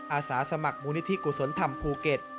อาสาสมัครมูลนิธิกุศลธรรมภูเก็ต